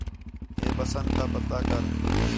ہِے بسنت تا پتہ کر